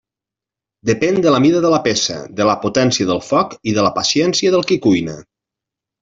Depèn de la mida de la peça, de la potència del foc i de la paciència del qui cuina.